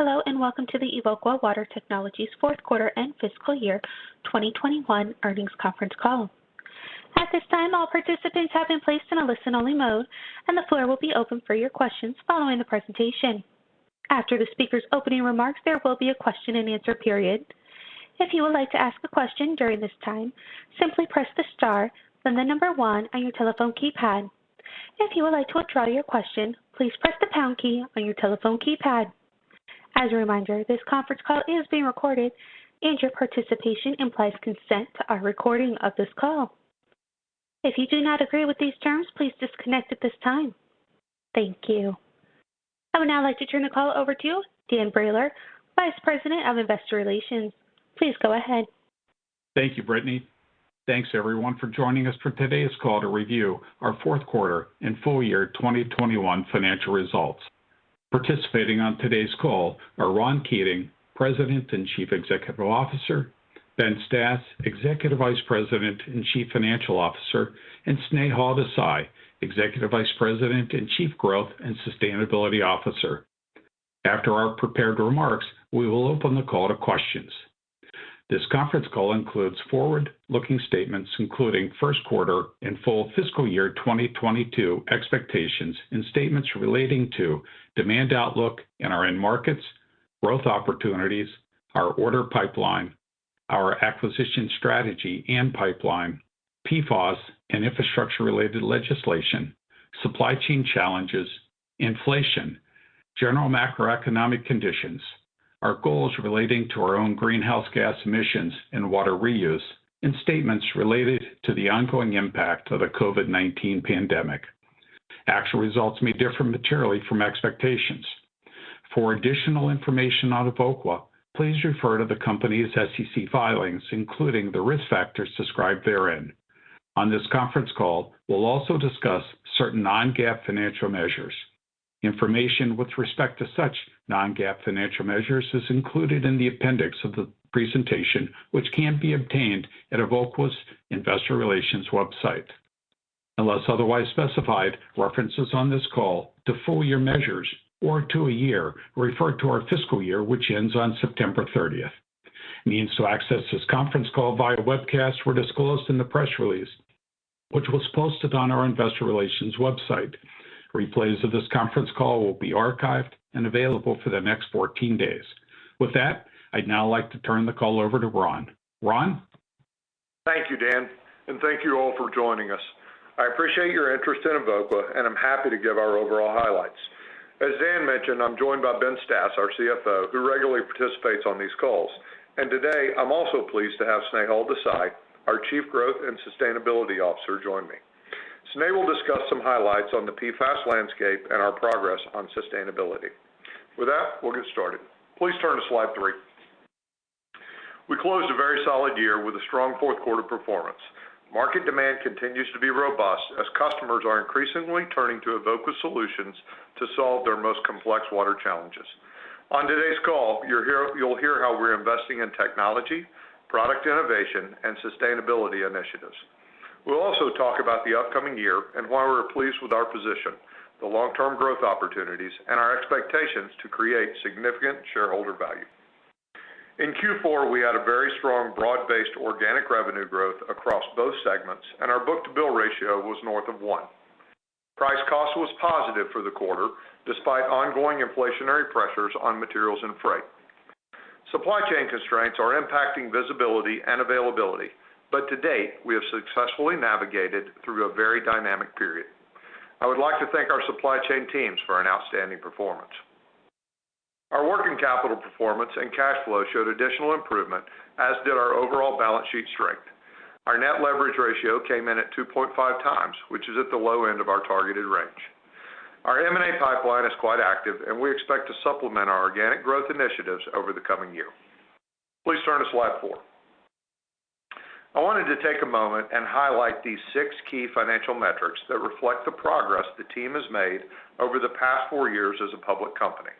Hello, and welcome to the Evoqua Water Technologies fourth quarter and fiscal year 2021 earnings conference call. At this time, all participants have been placed in a listen-only mode, and the floor will be open for your questions following the presentation. After the speaker's opening remarks, there will be a question-and-answer period. If you would like to ask a question during this time, simply press the star, then the number 1 on your telephone keypad. If you would like to withdraw your question, please press the pound key on your telephone keypad. As a reminder, this conference call is being recorded, and your participation implies consent to our recording of this call. If you do not agree with these terms, please disconnect at this time. Thank you. I would now like to turn the call over to Dan Brailer, Vice President of Investor Relations. Please go ahead. Thank you, Brittany. Thanks everyone for joining us for today's call to review our fourth quarter and full year 2021 financial results. Participating on today's call are Ron Keating, President and Chief Executive Officer, Ben Stas, Executive Vice President and Chief Financial Officer, and Snehal Desai, Executive Vice President and Chief Growth and Sustainability Officer. After our prepared remarks, we will open the call to questions. This conference call includes forward-looking statements, including first quarter and full fiscal year 2022 expectations and statements relating to demand outlook in our end markets, growth opportunities, our order pipeline, our acquisition strategy and pipeline, PFAS and infrastructure-related legislation, supply chain challenges, inflation, general macroeconomic conditions, our goals relating to our own greenhouse gas emissions and water reuse, and statements related to the ongoing impact of the COVID-19 pandemic. Actual results may differ materially from expectations. For additional information on Evoqua, please refer to the company's SEC filings, including the risk factors described therein. On this conference call, we'll also discuss certain non-GAAP financial measures. Information with respect to such non-GAAP financial measures is included in the appendix of the presentation, which can be obtained at Evoqua's Investor Relations website. Unless otherwise specified, references on this call to full year measures or to a year refer to our fiscal year, which ends on September 30. Means to access this conference call via webcast were disclosed in the press release, which was posted on our Investor Relations website. Replays of this conference call will be archived and available for the next 14 days. With that, I'd now like to turn the call over to Ron. Ron? Thank you, Dan, and thank you all for joining us. I appreciate your interest in Evoqua, and I'm happy to give our overall highlights. As Dan mentioned, I'm joined by Ben Stas, our CFO, who regularly participates on these calls. Today, I'm also pleased to have Snehal Desai, our Chief Growth and Sustainability Officer, join me. Snehal will discuss some highlights on the PFAS landscape and our progress on sustainability. With that, we'll get started. Please turn to slide three. We closed a very solid year with a strong fourth quarter performance. Market demand continues to be robust as customers are increasingly turning to Evoqua solutions to solve their most complex water challenges. On today's call, you'll hear how we're investing in technology, product innovation, and sustainability initiatives. We'll also talk about the upcoming year and why we're pleased with our position, the long-term growth opportunities, and our expectations to create significant shareholder value. In Q4, we had a very strong broad-based organic revenue growth across both segments, and our book-to-bill ratio was north of one. Price cost was positive for the quarter despite ongoing inflationary pressures on materials and freight. Supply chain constraints are impacting visibility and availability, but to date, we have successfully navigated through a very dynamic period. I would like to thank our supply chain teams for an outstanding performance. Our working capital performance and cash flow showed additional improvement, as did our overall balance sheet strength. Our net leverage ratio came in at 2.5x, which is at the low end of our targeted range. Our M&A pipeline is quite active, and we expect to supplement our organic growth initiatives over the coming year. Please turn to slide four. I wanted to take a moment and highlight these six key financial metrics that reflect the progress the team has made over the past four years as a public company.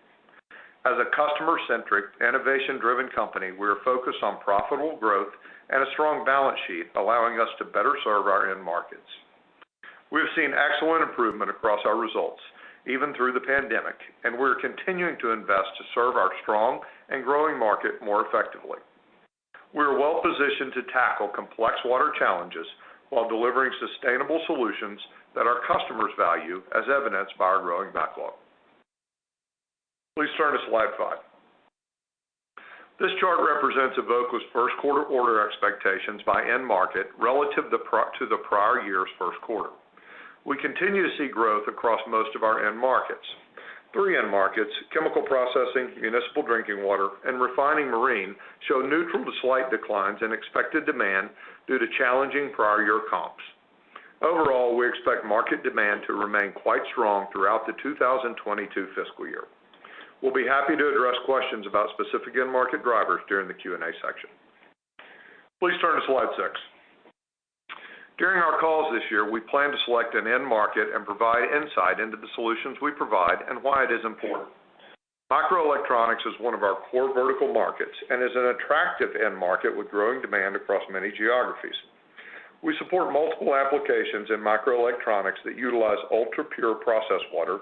As a customer-centric, innovation-driven company, we are focused on profitable growth and a strong balance sheet, allowing us to better serve our end markets. We have seen excellent improvement across our results, even through the pandemic, and we're continuing to invest to serve our strong and growing market more effectively. We are well-positioned to tackle complex water challenges while delivering sustainable solutions that our customers value, as evidenced by our growing backlog. Please turn to slide five. This chart represents Evoqua's first quarter order expectations by end market to the prior year's first quarter. We continue to see growth across most of our end markets. Three end markets, chemical processing, municipal drinking water, and refining marine, show neutral to slight declines in expected demand due to challenging prior year comps. Overall, we expect market demand to remain quite strong throughout the 2022 fiscal year. We'll be happy to address questions about specific end market drivers during the Q&A section. Please turn to slide six. During our calls this year, we plan to select an end market and provide insight into the solutions we provide and why it is important. Microelectronics is one of our core vertical markets and is an attractive end market with growing demand across many geographies. We support multiple applications in microelectronics that utilize ultrapure process water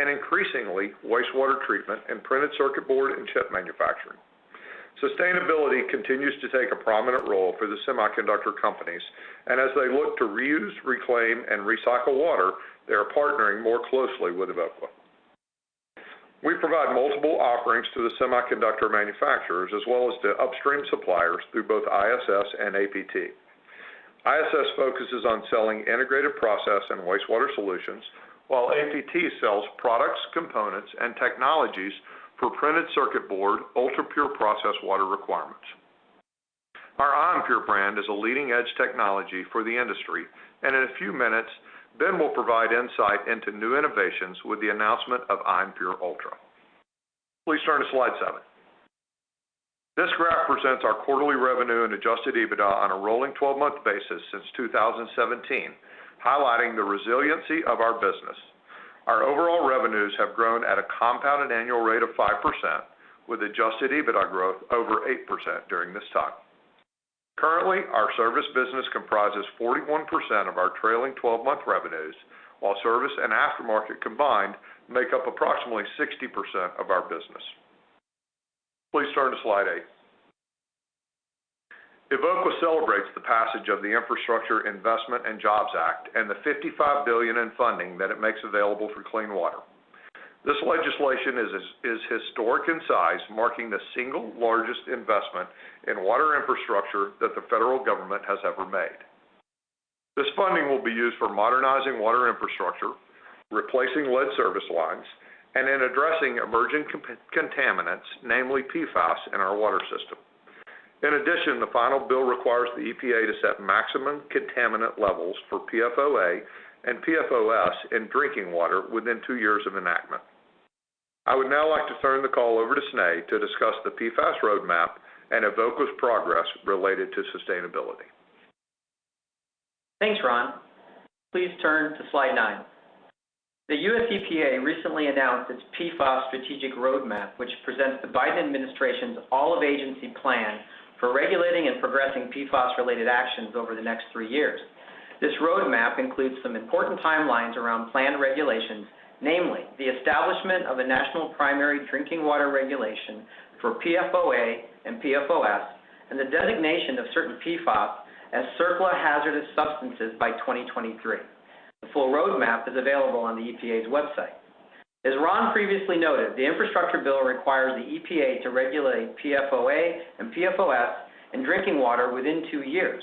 and increasingly wastewater treatment in printed circuit board and chip manufacturing. Sustainability continues to take a prominent role for the semiconductor companies, and as they look to reuse, reclaim, and recycle water, they are partnering more closely with Evoqua. We provide multiple offerings to the semiconductor manufacturers as well as to upstream suppliers through both ISS and APT. ISS focuses on selling integrated process and wastewater solutions, while APT sells products, components, and technologies for printed circuit board ultrapure process water requirements. Our Ionpure brand is a leading-edge technology for the industry, and in a few minutes, Ben will provide insight into new innovations with the announcement of Ionpure Ultra. Please turn to slide 7. This graph presents our quarterly revenue and Adjusted EBITDA on a rolling 12-month basis since 2017, highlighting the resiliency of our business. Our overall revenues have grown at a compounded annual rate of 5%, with Adjusted EBITDA growth over 8% during this time. Currently, our service business comprises 41% of our trailing 12-month revenues, while service and aftermarket combined make up approximately 60% of our business. Please turn to slide 8. Evoqua celebrates the passage of the Infrastructure Investment and Jobs Act and the $55 billion in funding that it makes available for clean water. This legislation is historic in size, marking the single largest investment in water infrastructure that the federal government has ever made. This funding will be used for modernizing water infrastructure, replacing lead service lines, and in addressing emerging contaminants, namely PFAS, in our water system. In addition, the final bill requires the EPA to set maximum contaminant levels for PFOA and PFOS in drinking water within two years of enactment. I would now like to turn the call over to Snehal to discuss the PFAS roadmap and Evoqua's progress related to sustainability. Thanks, Ron. Please turn to slide 9. The US EPA recently announced its PFAS Strategic Roadmap, which presents the Biden administration's all-of-agency plan for regulating and progressing PFAS-related actions over the next three years. This roadmap includes some important timelines around planned regulations, namely the establishment of a national primary drinking water regulation for PFOA and PFOS, and the designation of certain PFAS as CERCLA hazardous substances by 2023. The full roadmap is available on the EPA's website. As Ron previously noted, the infrastructure bill requires the EPA to regulate PFOA and PFOS in drinking water within two years.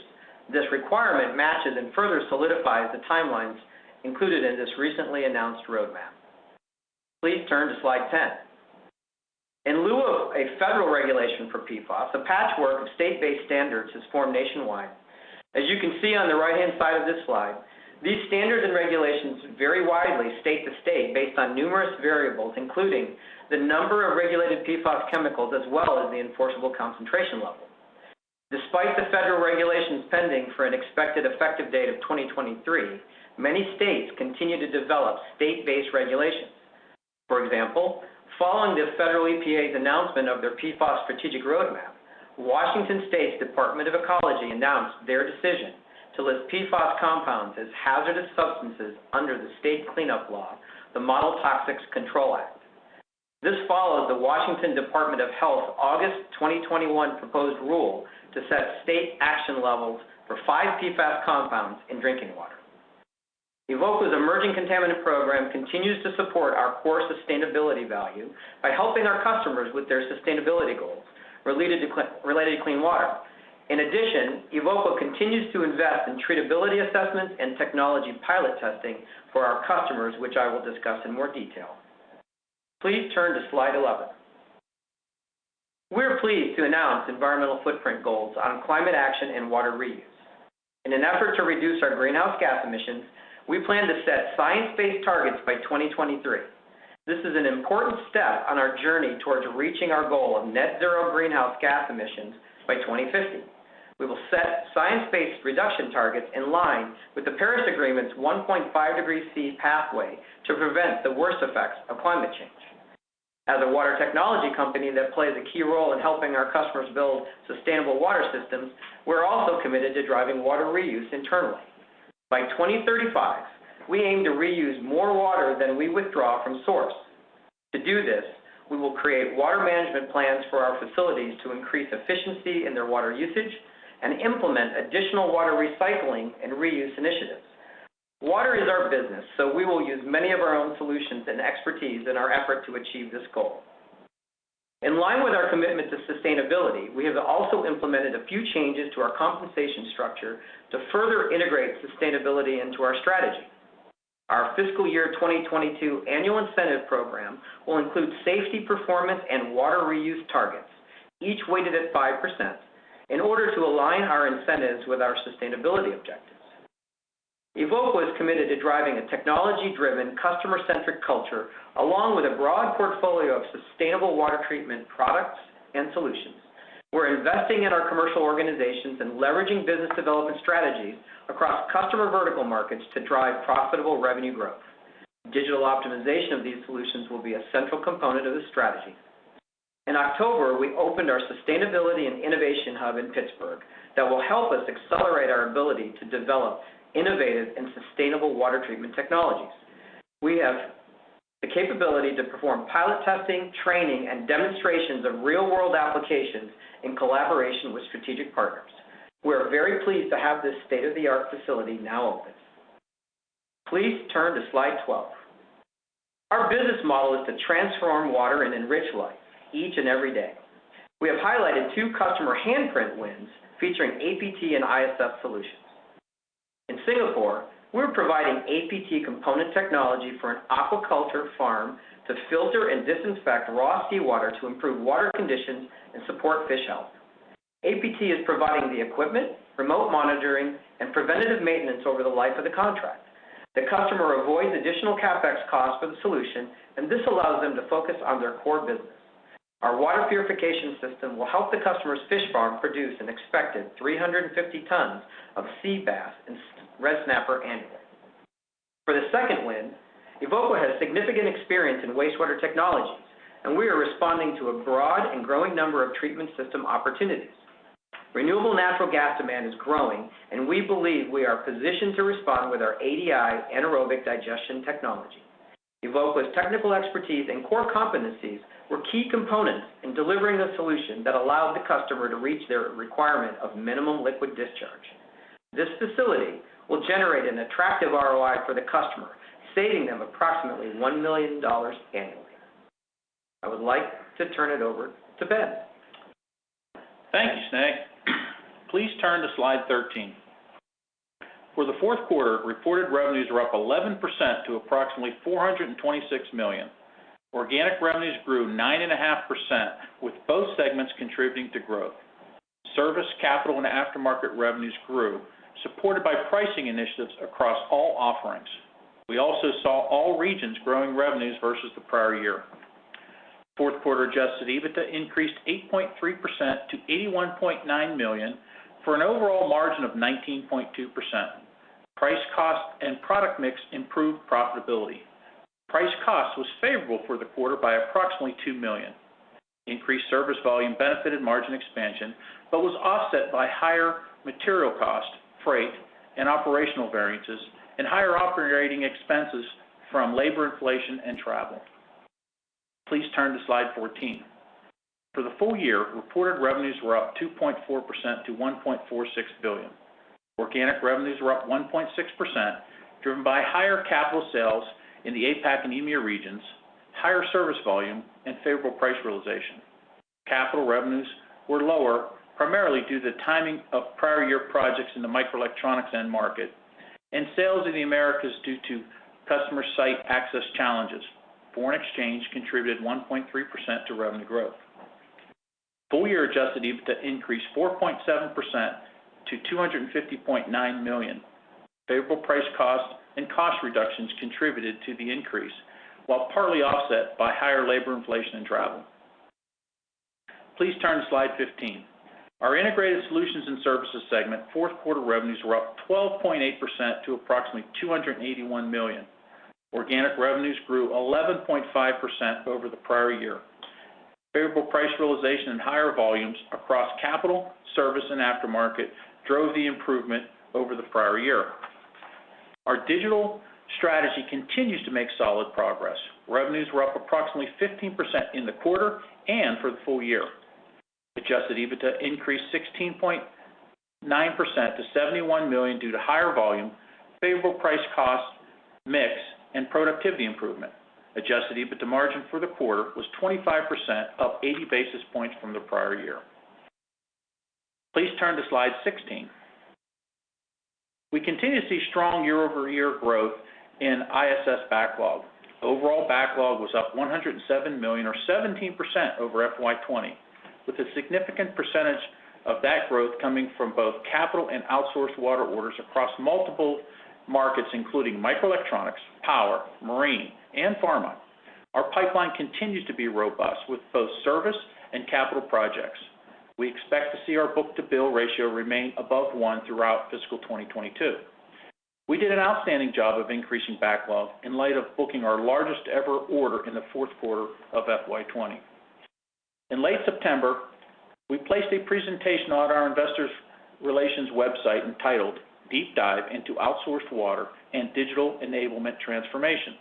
This requirement matches and further solidifies the timelines included in this recently announced roadmap. Please turn to slide 10. In lieu of a federal regulation for PFAS, a patchwork of state-based standards has formed nationwide. As you can see on the right-hand side of this slide, these standards and regulations vary widely state to state based on numerous variables, including the number of regulated PFAS chemicals as well as the enforceable concentration level. Despite the federal regulations pending for an expected effective date of 2023, many states continue to develop state-based regulations. For example, following the federal EPA's announcement of their PFAS Strategic Roadmap, Washington State Department of Ecology announced their decision to list PFAS compounds as hazardous substances under the state cleanup law, the Model Toxics Control Act. This follows the Washington State Department of Health August 2021 proposed rule to set state action levels for five PFAS compounds in drinking water. Evoqua's emerging contaminant program continues to support our core sustainability value by helping our customers with their sustainability goals related to clean water. In addition, Evoqua continues to invest in treatability assessments and technology pilot testing for our customers, which I will discuss in more detail. Please turn to slide 11. We're pleased to announce environmental footprint goals on climate action and water reuse. In an effort to reduce our greenhouse gas emissions, we plan to set Science Based Targets by 2023. This is an important step on our journey towards reaching our goal of net zero greenhouse gas emissions by 2050. We will set Science Based Targets in line with the Paris Agreement's 1.5 degrees Celsius pathway to prevent the worst effects of climate change. As a water technology company that plays a key role in helping our customers build sustainable water systems, we're also committed to driving water reuse internally. By 2035, we aim to reuse more water than we withdraw from source. To do this, we will create water management plans for our facilities to increase efficiency in their water usage and implement additional water recycling and reuse initiatives. Water is our business, so we will use many of our own solutions and expertise in our effort to achieve this goal. In line with our commitment to sustainability, we have also implemented a few changes to our compensation structure to further integrate sustainability into our strategy. Our fiscal year 2022 annual incentive program will include safety performance and water reuse targets, each weighted at 5%, in order to align our incentives with our sustainability objectives. Evoqua is committed to driving a technology-driven, customer-centric culture along with a broad portfolio of sustainable water treatment products and solutions. We're investing in our commercial organizations and leveraging business development strategies across customer vertical markets to drive profitable revenue growth. Digital optimization of these solutions will be a central component of this strategy. In October, we opened our Sustainability and Innovation Hub in Pittsburgh that will help us accelerate our ability to develop innovative and sustainable water treatment technologies. We have the capability to perform pilot testing, training, and demonstrations of real-world applications in collaboration with strategic partners. We are very pleased to have this state-of-the-art facility now open. Please turn to slide 12. Our business model is to transform water and enrich life each and every day. We have highlighted two customer handprint wins featuring APT and ISS solutions. In Singapore, we're providing APT component technology for an aquaculture farm to filter and disinfect raw seawater to improve water conditions and support fish health. APT is providing the equipment, remote monitoring, and preventative maintenance over the life of the contract. The customer avoids additional CapEx costs for the solution, and this allows them to focus on their core business. Our water purification system will help the customer's fish farm produce an expected 350 tons of sea bass and red snapper annually. For the second win, Evoqua has significant experience in wastewater technologies, and we are responding to a broad and growing number of treatment system opportunities. Renewable natural gas demand is growing, and we believe we are positioned to respond with our ADI anaerobic digestion technology. Evoqua's technical expertise and core competencies were key components in delivering a solution that allowed the customer to reach their requirement of Minimal Liquid Discharge. This facility will generate an attractive ROI for the customer, saving them approximately $1 million annually. I would like to turn it over to Ben. Thank you, Snehal. Please turn to slide 13. For the fourth quarter, reported revenues were up 11% to approximately $426 million. Organic revenues grew 9.5%, with both segments contributing to growth. Service, capital, and aftermarket revenues grew, supported by pricing initiatives across all offerings. We also saw all regions growing revenues versus the prior year. Fourth quarter Adjusted EBITDA increased 8.3% to $81.9 million for an overall margin of 19.2%. Price cost and product mix improved profitability. Price cost was favorable for the quarter by approximately $2 million. Increased service volume benefited margin expansion, but was offset by higher material cost, freight and operational variances, and higher operating expenses from labor inflation and travel. Please turn to slide 14. For the full year, reported revenues were up 2.4% to $1.46 billion. Organic revenues were up 1.6%, driven by higher capital sales in the APAC and EMEA regions, higher service volume, and favorable price realization. Capital revenues were lower, primarily due to the timing of prior year projects in the microelectronics end market and sales in the Americas due to customer site access challenges. Foreign exchange contributed 1.3% to revenue growth. Full year Adjusted EBITDA increased 4.7% to $250.9 million. Favorable price cost and cost reductions contributed to the increase, while partly offset by higher labor inflation and travel. Please turn to slide 15. Our Integrated Solutions and Services segment fourth quarter revenues were up 12.8% to approximately $281 million. Organic revenues grew 11.5% over the prior year. Favorable price realization and higher volumes across capital, service, and aftermarket drove the improvement over the prior year. Our digital strategy continues to make solid progress. Revenues were up approximately 15% in the quarter and for the full year. Adjusted EBITDA increased 16.9% to $71 million due to higher volume, favorable price cost mix, and productivity improvement. Adjusted EBITDA margin for the quarter was 25%, up 80 basis points from the prior year. Please turn to slide 16. We continue to see strong year-over-year growth in ISS backlog. Overall backlog was up $107 million or 17% over FY 2020, with a significant percentage of that growth coming from both capital and outsourced water orders across multiple markets, including microelectronics, power, marine, and pharma. Our pipeline continues to be robust with both service and capital projects. We expect to see our book-to-bill ratio remain above one throughout fiscal 2022. We did an outstanding job of increasing backlog in light of booking our largest-ever order in the fourth quarter of FY 2020. In late September, we placed a presentation on our investor relations website entitled Deep Dive into Outsourced Water and Digital Enablement Transformation.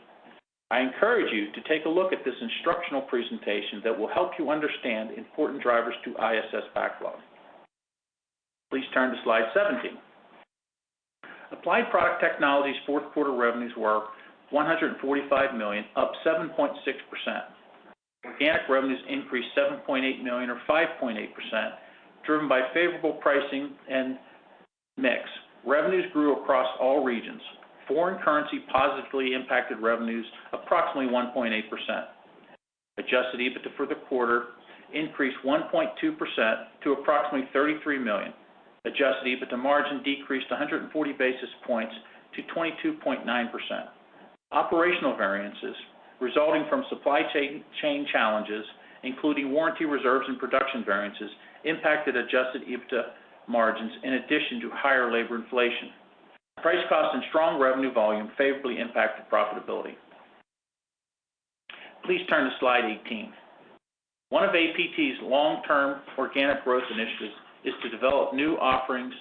I encourage you to take a look at this instructional presentation that will help you understand important drivers to ISS backlog. Please turn to slide 17. Applied Product Technologies' fourth quarter revenues were $145 million, up 7.6%. Organic revenues increased $7.8 million or 5.8%, driven by favorable pricing and mix. Revenues grew across all regions. Foreign currency positively impacted revenues approximately 1.8%. Adjusted EBITDA for the quarter increased 1.2% to approximately $33 million. Adjusted EBITDA margin decreased 140 basis points to 22.9%. Operational variances resulting from supply chain challenges, including warranty reserves and production variances, impacted Adjusted EBITDA margins in addition to higher labor inflation. Price costs and strong revenue volume favorably impacted profitability. Please turn to slide 18. One of APT's long-term organic growth initiatives is to develop new offerings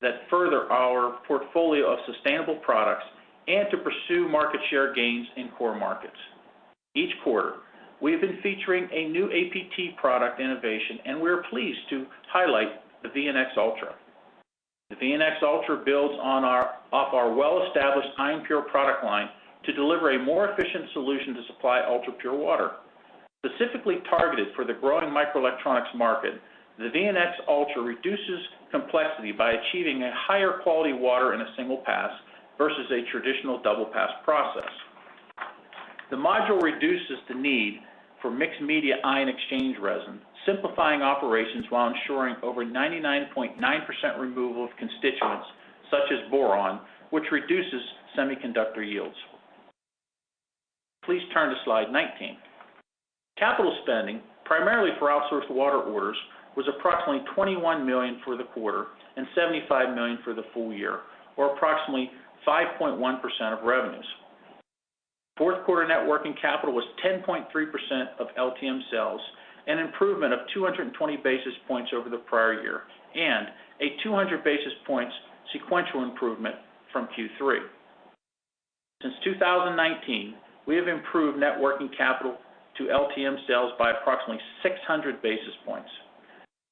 that further our portfolio of sustainable products and to pursue market share gains in core markets. Each quarter, we have been featuring a new APT product innovation, and we are pleased to highlight the VNX Ultra. The VNX Ultra builds off our well-established Ionpure product line to deliver a more efficient solution to supply ultrapure water. Specifically targeted for the growing microelectronics market, the VNX Ultra reduces complexity by achieving a higher quality water in a single pass versus a traditional double-pass process. The module reduces the need for mixed-media ion exchange resin, simplifying operations while ensuring over 99.9% removal of constituents such as boron, which reduces semiconductor yields. Please turn to slide 19. Capital spending, primarily for outsourced water orders, was approximately $21 million for the quarter and $75 million for the full year, or approximately 5.1% of revenues. Fourth quarter net working capital was 10.3% of LTM sales, an improvement of 220 basis points over the prior year, and a 200 basis points sequential improvement from Q3. Since 2019, we have improved net working capital to LTM sales by approximately 600 basis points.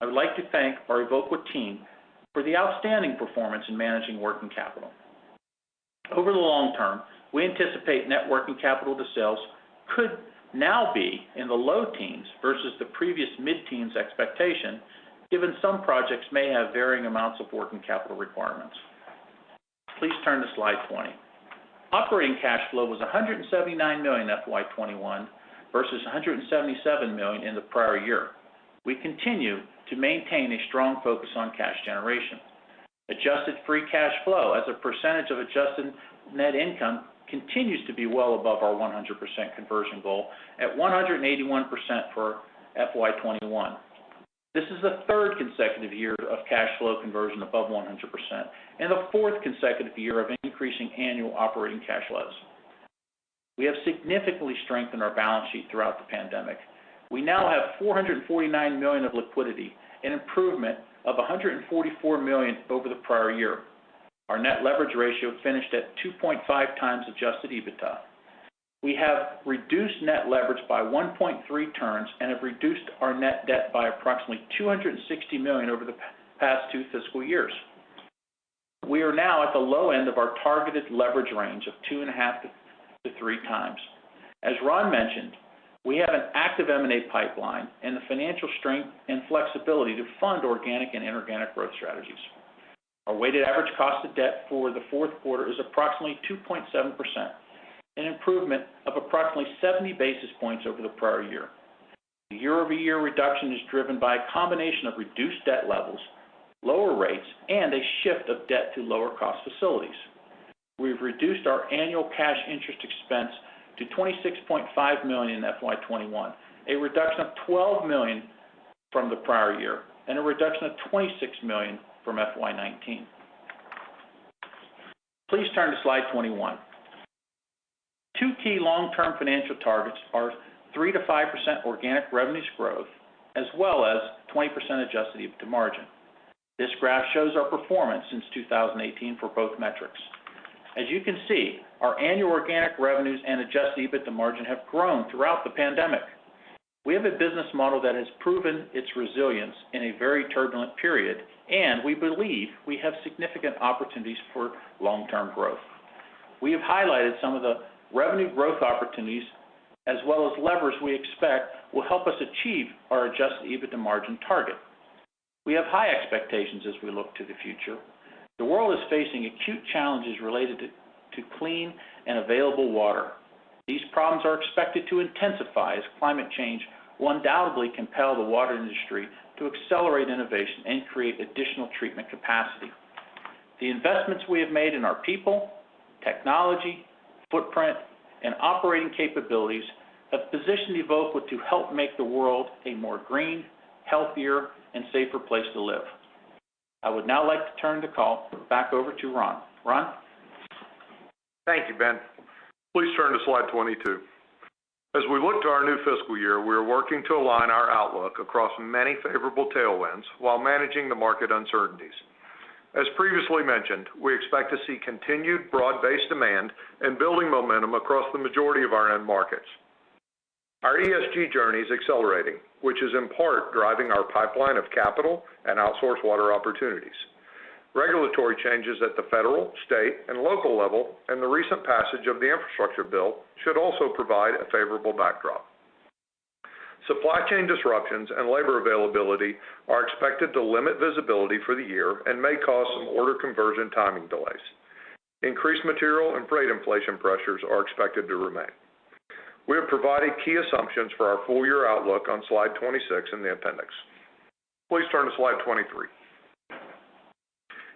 I would like to thank our Evoqua team for the outstanding performance in managing working capital. Over the long term, we anticipate net working capital to sales could now be in the low teens versus the previous mid-teens expectation, given some projects may have varying amounts of working capital requirements. Please turn to slide 20. Operating cash flow was $179 million FY 2021 versus $177 million in the prior year. We continue to maintain a strong focus on cash generation. Adjusted free cash flow as a percentage of adjusted net income continues to be well above our 100% conversion goal at 181% for FY 2021. This is the third consecutive year of cash flow conversion above 100% and the fourth consecutive year of increasing annual operating cash flows. We have significantly strengthened our balance sheet throughout the pandemic. We now have $449 million of liquidity, an improvement of $144 million over the prior year. Our net leverage ratio finished at 2.5x Adjusted EBITDA. We have reduced net leverage by 1.3 turns and have reduced our net debt by approximately $260 million over the past two fiscal years. We are now at the low end of our targeted leverage range of 2.5x-3x. As Ron mentioned, we have an active M&A pipeline and the financial strength and flexibility to fund organic and inorganic growth strategies. Our weighted average cost of debt for the fourth quarter is approximately 2.7%, an improvement of approximately 70 basis points over the prior year. The year-over-year reduction is driven by a combination of reduced debt levels, lower rates, and a shift of debt to lower-cost facilities. We've reduced our annual cash interest expense to $26.5 million in FY 2021, a reduction of $12 million from the prior year and a reduction of $26 million from FY 2019. Please turn to slide 21. Two key long-term financial targets are 3%-5% organic revenues growth as well as 20% Adjusted EBITDA margin. This graph shows our performance since 2018 for both metrics. As you can see, our annual organic revenues and Adjusted EBITDA margin have grown throughout the pandemic. We have a business model that has proven its resilience in a very turbulent period, and we believe we have significant opportunities for long-term growth. We have highlighted some of the revenue growth opportunities as well as levers we expect will help us achieve our Adjusted EBITDA margin target. We have high expectations as we look to the future. The world is facing acute challenges related to clean and available water. These problems are expected to intensify as climate change will undoubtedly compel the water industry to accelerate innovation and create additional treatment capacity. The investments we have made in our people, technology, footprint, and operating capabilities have positioned Evoqua to help make the world a more green, healthier, and safer place to live. I would now like to turn the call back over to Ron. Ron? Thank you, Ben. Please turn to slide 22. As we look to our new fiscal year, we are working to align our outlook across many favorable tailwinds while managing the market uncertainties. As previously mentioned, we expect to see continued broad-based demand and building momentum across the majority of our end markets. Our ESG journey is accelerating, which is in part driving our pipeline of capital and outsourced water opportunities. Regulatory changes at the federal, state, and local level, and the recent passage of the infrastructure bill should also provide a favorable backdrop. Supply chain disruptions and labor availability are expected to limit visibility for the year and may cause some order conversion timing delays. Increased material and freight inflation pressures are expected to remain. We have provided key assumptions for our full-year outlook on slide 26 in the appendix. Please turn to slide 23.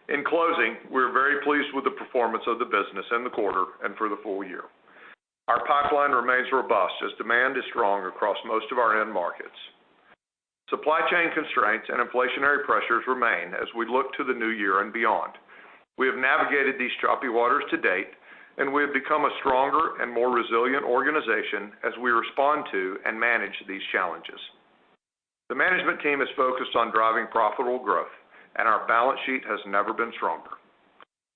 In closing, we're very pleased with the performance of the business in the quarter and for the full year. Our pipeline remains robust as demand is strong across most of our end markets. Supply chain constraints and inflationary pressures remain as we look to the new year and beyond. We have navigated these choppy waters to date, and we have become a stronger and more resilient organization as we respond to and manage these challenges. The management team is focused on driving profitable growth, and our balance sheet has never been stronger.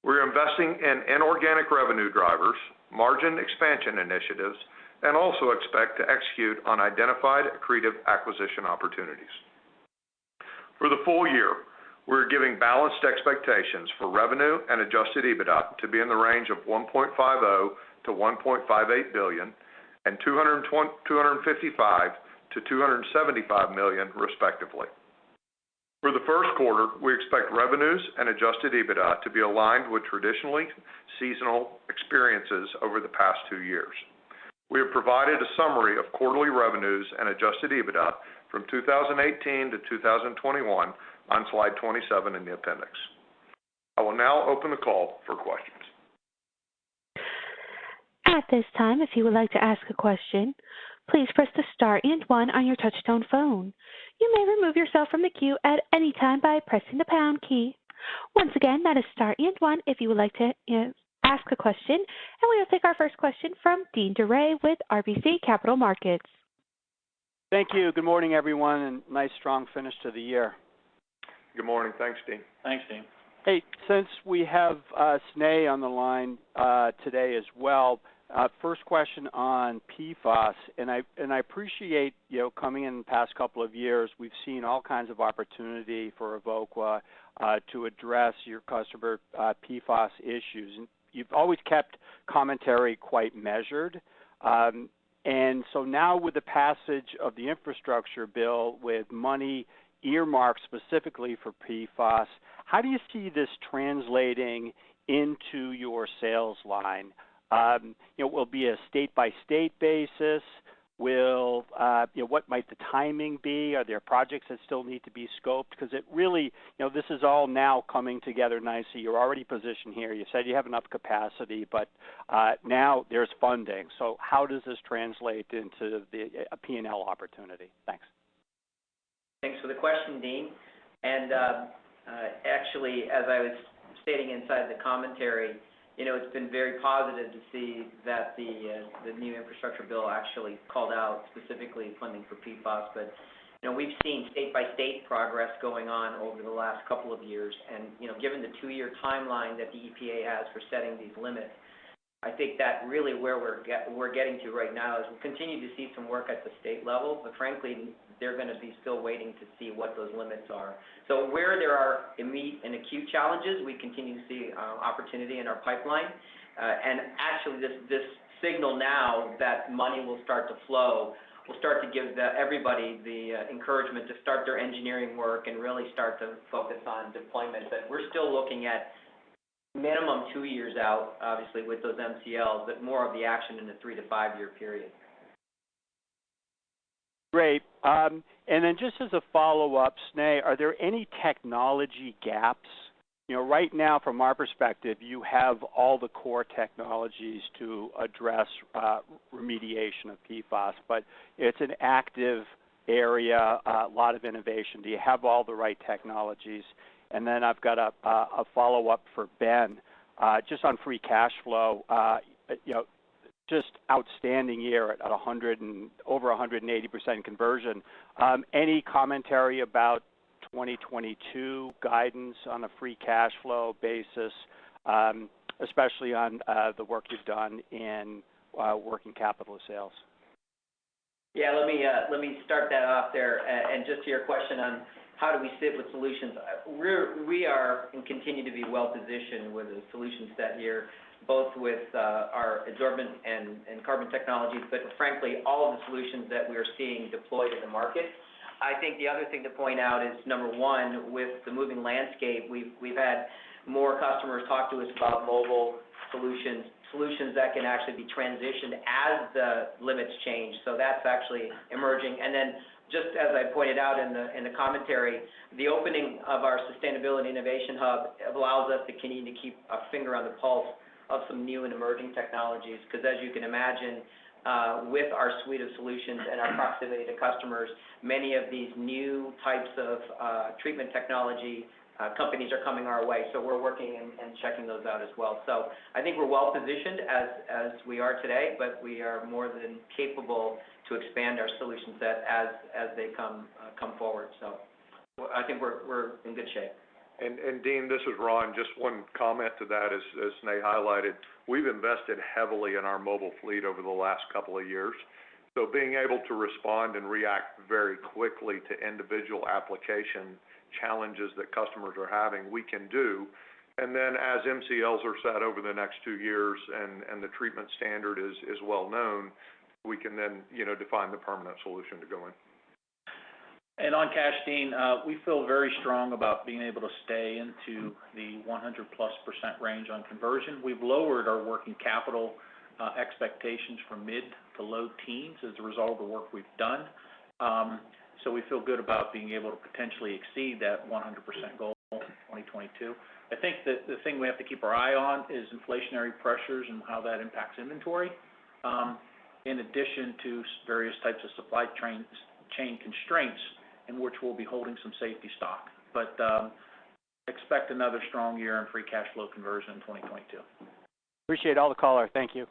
We're investing in inorganic revenue drivers, margin expansion initiatives, and also expect to execute on identified accretive acquisition opportunities. For the full year, we're giving balanced expectations for revenue and Adjusted EBITDA to be in the range of $1.50 billion-$1.58 billion and $255 million-$275 million respectively. For the first quarter, we expect revenues and Adjusted EBITDA to be aligned with traditionally seasonal experiences over the past two years. We have provided a summary of quarterly revenues and Adjusted EBITDA from 2018 to 2021 on slide 27 in the appendix. I will now open the call for questions. At this time, if you would like to ask a question, please press the star and one on your touchtone phone. You may remove yourself from the queue at any time by pressing the pound key. Once again, that is star and one if you would like to ask a question, and we'll take our first question from Deane Dray with RBC Capital Markets. Thank you. Good morning, everyone, and nice strong finish to the year. Good morning. Thanks, Deane. Thanks, Deane. Hey, since we have Snehal on the line today as well, first question on PFAS, and I appreciate, you know, coming in the past couple of years, we've seen all kinds of opportunity for Evoqua to address your customer PFAS issues. You've always kept commentary quite measured. Now with the passage of the infrastructure bill with money earmarked specifically for PFAS, how do you see this translating into your sales line? You know, will it be a state-by-state basis? Will, you know, what might the timing be? Are there projects that still need to be scoped? Because it really, you know, this is all now coming together nicely. You're already positioned here. You said you have enough capacity, but now there's funding. So how does this translate into a P&L opportunity? Thanks. Thanks for the question, Deane. Actually, as I was stating inside the commentary, you know, it's been very positive to see that the new infrastructure bill actually called out specifically funding for PFAS. You know, we've seen state-by-state progress going on over the last couple of years. You know, given the two-year timeline that the EPA has for setting these limits, I think that really where we're getting to right now is we continue to see some work at the state level, but frankly, they're gonna be still waiting to see what those limits are. Where there are immediate and acute challenges, we continue to see opportunity in our pipeline. Actually, this signal now that money will start to flow will start to give everybody the encouragement to start their engineering work and really start to focus on deployment. We're still looking at minimum two years out, obviously with those MCLs, but more of the action in the three- to five-year period. Great. Just as a follow-up, Snehal, are there any technology gaps? You know, right now, from our perspective, you have all the core technologies to address remediation of PFAS, but it's an active area, a lot of innovation. Do you have all the right technologies? I've got a follow-up for Ben just on free cash flow. You know, just outstanding year at over 180% conversion. Any commentary about 2022 guidance on a free cash flow basis, especially on the work you've done in working capital sales? Yeah, let me start that off there. Just to your question on how do we sit with solutions, we are and continue to be well-positioned with a solution set here, both with our adsorbent and carbon technologies, but frankly, all of the solutions that we are seeing deployed in the market. I think the other thing to point out is, number one, with the moving landscape, we've had more customers talk to us about mobile solutions that can actually be transitioned as the limits change. So that's actually emerging. Just as I pointed out in the commentary, the opening of our Sustainability Innovation Hub allows us to continue to keep a finger on the pulse of some new and emerging technologies. Because as you can imagine, with our suite of solutions and our proximity to customers, many of these new types of treatment technology companies are coming our way. We're working and checking those out as well. I think we're well-positioned as we are today, but we are more than capable to expand our solution set as they come forward. I think we're in good shape. Deane, this is Ron. Just one comment to that. As Snehal highlighted, we've invested heavily in our mobile fleet over the last couple of years. Being able to respond and react very quickly to individual application challenges that customers are having, we can do. Then as MCLs are set over the next 2 years and the treatment standard is well known, we can then, you know, define the permanent solution to go in. On cash, Deane, we feel very strong about being able to stay in the 100%+ range on conversion. We've lowered our working capital expectations from mid- to low teens% as a result of the work we've done. We feel good about being able to potentially exceed that 100% goal in 2022. I think the thing we have to keep our eye on is inflationary pressures and how that impacts inventory, in addition to various types of supply chain constraints in which we'll be holding some safety stock. Expect another strong year in free cash flow conversion in 2022. Appreciate all the color. Thank you.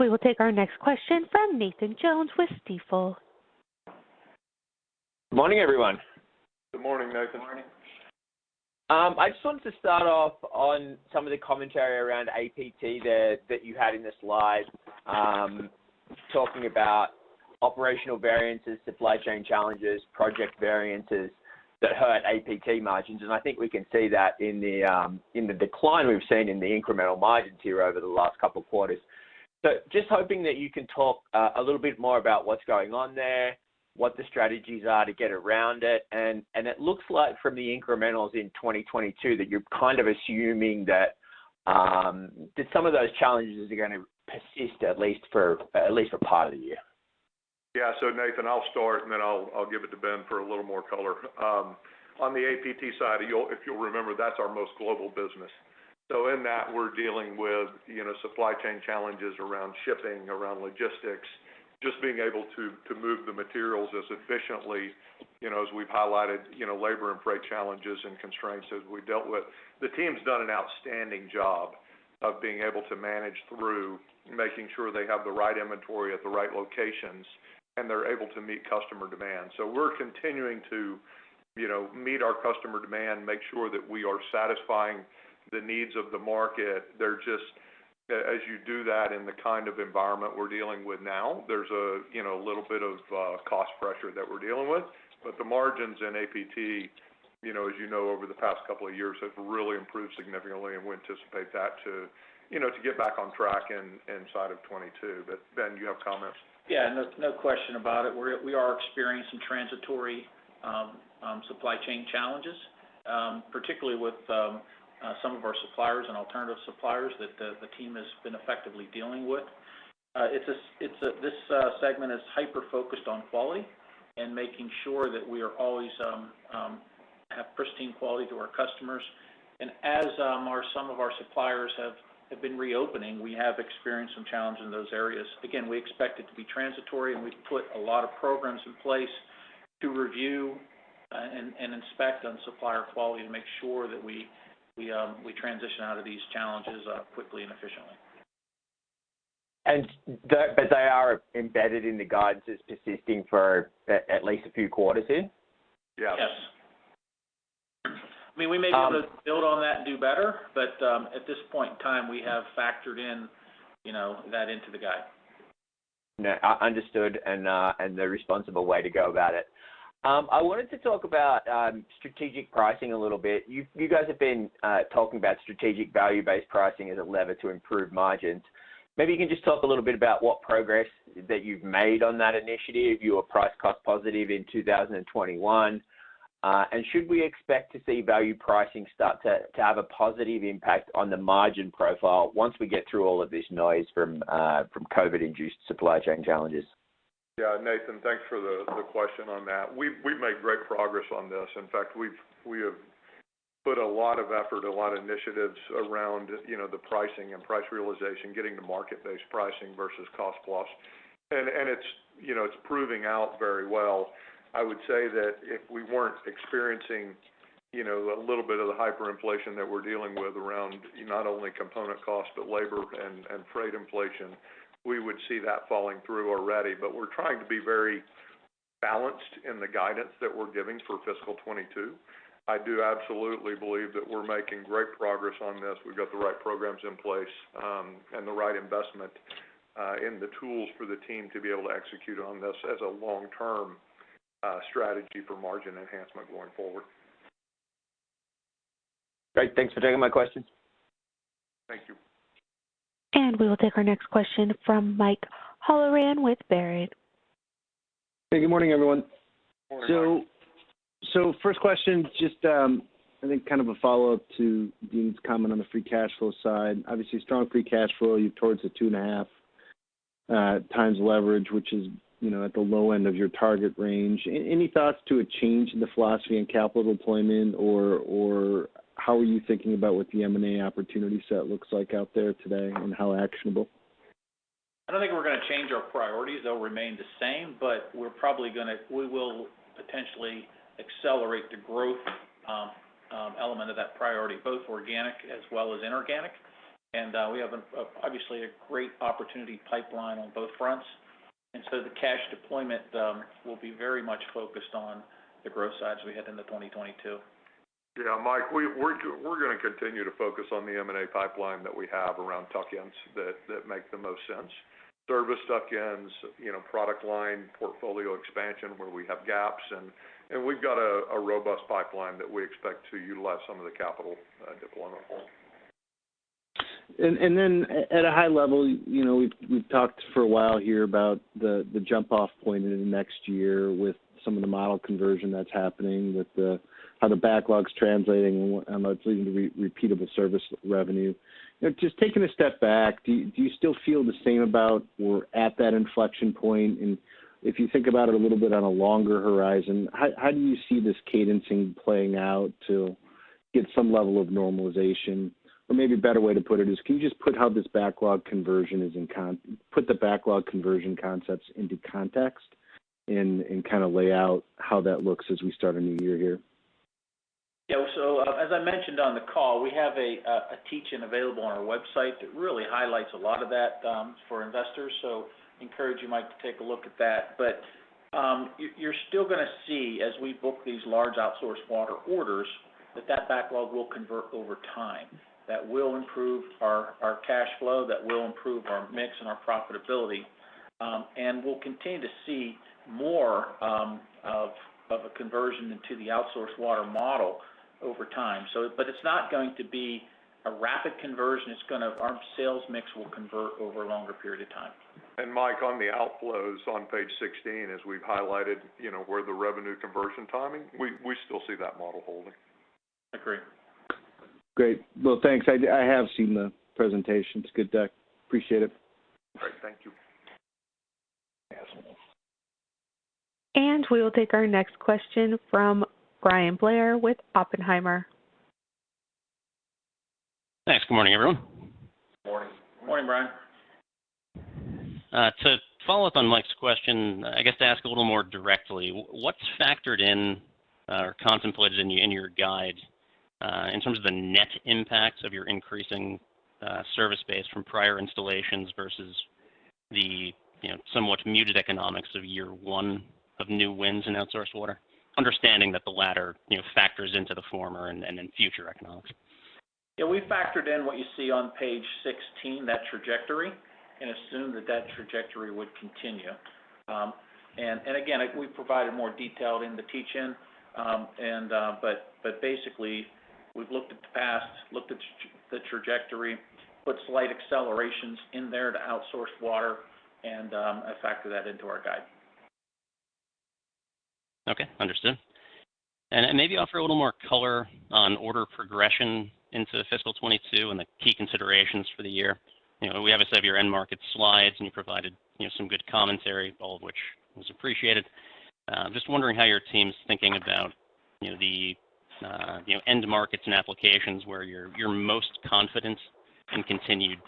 We will take our next question from Nathan Jones with Stifel. Good morning, everyone. Good morning, Nathan. Good morning. I just wanted to start off on some of the commentary around APT that you had in the slide, talking about operational variances, supply chain challenges, project variances that hurt APT margins. I think we can see that in the decline we've seen in the incremental margins here over the last couple of quarters. Just hoping that you can talk a little bit more about what's going on there, what the strategies are to get around it. It looks like from the incrementals in 2022 that you're kind of assuming that some of those challenges are gonna persist at least for part of the year. Yeah. Nathan, I'll start, and then I'll give it to Ben for a little more color. On the APT side, you'll, if you'll remember, that's our most global business. In that, we're dealing with, you know, supply chain challenges around shipping, around logistics, just being able to move the materials as efficiently, you know, as we've highlighted, you know, labor and freight challenges and constraints as we dealt with. The team's done an outstanding job of being able to manage through making sure they have the right inventory at the right locations, and they're able to meet customer demand. We're continuing to, you know, meet our customer demand, make sure that we are satisfying the needs of the market. They're just. As you do that in the kind of environment we're dealing with now, there's you know a little bit of cost pressure that we're dealing with. The margins in APT, you know, as you know, over the past couple of years have really improved significantly, and we anticipate that to, you know, to get back on track in inside of 2022. Ben, do you have comments? Yeah. No question about it. We are experiencing transitory supply chain challenges, particularly with some of our suppliers and alternative suppliers that the team has been effectively dealing with. This segment is hyper-focused on quality and making sure that we always have pristine quality to our customers. As some of our suppliers have been reopening, we have experienced some challenge in those areas. Again, we expect it to be transitory, and we've put a lot of programs in place to review and inspect on supplier quality to make sure that we transition out of these challenges quickly and efficiently. They are embedded in the guidance as persisting for at least a few quarters in? Yes. Yes. I mean, we may be able to build on that and do better, but, at this point in time, we have factored in, you know, that into the guide. No, understood, and the responsible way to go about it. I wanted to talk about strategic pricing a little bit. You've, you guys have been talking about strategic value-based pricing as a lever to improve margins. Maybe you can just talk a little bit about what progress that you've made on that initiative. You were price cost positive in 2021. Should we expect to see value pricing start to have a positive impact on the margin profile once we get through all of this noise from COVID-induced supply chain challenges? Yeah. Nathan, thanks for the question on that. We've made great progress on this. In fact, we have put a lot of effort, a lot of initiatives around, you know, the pricing and price realization, getting to market-based pricing versus cost-plus. It's, you know, it's proving out very well. I would say that if we weren't experiencing, you know, a little bit of the hyperinflation that we're dealing with around not only component cost, but labor and freight inflation, we would see that falling through already. We're trying to be very balanced in the guidance that we're giving for FY 2022. I do absolutely believe that we're making great progress on this. We've got the right programs in place, and the right investment, and the tools for the team to be able to execute on this as a long-term strategy for margin enhancement going forward. Great. Thanks for taking my questions. Thank you. We will take our next question from Mike Halloran with Baird. Hey, good morning, everyone. Good morning, Mike. First question, just, I think kind of a follow-up to Deane's comment on the free cash flow side. Obviously strong free cash flow. You're towards the 2.5x leverage, which is, you know, at the low end of your target range. Any thoughts to a change in the philosophy in capital deployment or how are you thinking about what the M&A opportunity set looks like out there today and how actionable? I don't think we're gonna change our priorities. They'll remain the same, but we will potentially accelerate the growth element of that priority, both organic as well as inorganic. We have obviously a great opportunity pipeline on both fronts. The cash deployment will be very much focused on the growth side as we head into 2022. Yeah, Mike, we're gonna continue to focus on the M&A pipeline that we have around tuck-ins that make the most sense. Service tuck-ins, you know, product line portfolio expansion where we have gaps, and we've got a robust pipeline that we expect to utilize some of the capital deployment for. Then at a high level, you know, we've talked for a while here about the jump off point in the next year with some of the model conversion that's happening with how the backlog's translating and how it's leading to repeatable service revenue. You know, just taking a step back, do you still feel the same about that we're at that inflection point? If you think about it a little bit on a longer horizon, how do you see this cadencing playing out to get some level of normalization, or maybe a better way to put it is, can you just put the backlog conversion concepts into context and kind of lay out how that looks as we start a new year here. Yeah. As I mentioned on the call, we have a teach-in available on our website that really highlights a lot of that for investors. Encourage you, Mike, to take a look at that. You're still gonna see as we book these large outsourced water orders, that backlog will convert over time. That will improve our cash flow, that will improve our mix and our profitability. We'll continue to see more of a conversion into the outsourced water model over time. It's not going to be a rapid conversion. Our sales mix will convert over a longer period of time. Mike, on the outflows on page 16, as we've highlighted, you know, where the revenue conversion timing, we still see that model holding. Agree. Great. Well, thanks. I have seen the presentation. It's a good deck. Appreciate it. Great. Thank you. Yes. We will take our next question from Bryan Blair with Oppenheimer. Thanks. Good morning, everyone. Morning. Morning, Bryan. To follow up on Mike's question, I guess to ask a little more directly, what's factored in or contemplated in your guide in terms of the net impacts of your increasing service base from prior installations versus the, you know, somewhat muted economics of year one of new wins in outsourced water? Understanding that the latter, you know, factors into the former and in future economics. Yeah, we factored in what you see on page 16, that trajectory, and assumed that trajectory would continue. We provided more detail in the teach-in. Basically we've looked at the past, looked at the trajectory, put slight accelerations in there to outsourced water and factored that into our guide. Okay. Understood. Maybe offer a little more color on order progression into FY 2022 and the key considerations for the year. You know, we have a set of your end market slides, and you provided, you know, some good commentary, all of which was appreciated. Just wondering how your team's thinking about, you know, the, you know, end markets and applications where you're most confident in continued